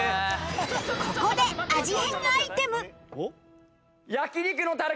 ここで味変アイテム